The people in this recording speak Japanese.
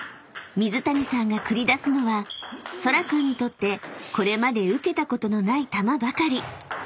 ［水谷さんが繰り出すのはそら君にとってこれまで受けたことのない球ばかり］